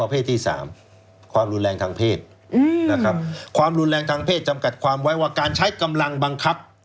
ประเภทที่๓ความรุนแรงทางเพศความรุนแรงทางเพศจำกัดความไว้ว่าการใช้กำลังบังคับ